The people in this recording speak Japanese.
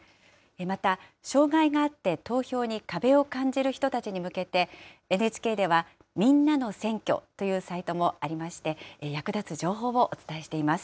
また、障害があって投票に壁を感じる人たちに向けて、ＮＨＫではみんなの選挙というサイトもありまして、役立つ情報をお伝えしています。